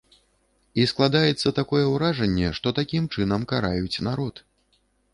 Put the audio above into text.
І складаецца такое ўражанне, што такім чынам караюць народ.